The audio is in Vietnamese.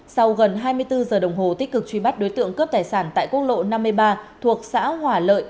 sau gần hai mươi bốn giờ đồng hồ tích cực truy bắt đối tượng cướp tài sản tại quốc lộ năm mươi ba thuộc xã hòa lợi